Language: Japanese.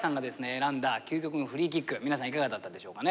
選んだ究極のフリーキック皆さんいかがだったでしょうかね。